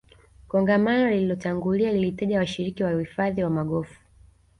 kongamano lililotangulia lilitaja washiriki wa uhifadhi wa magofu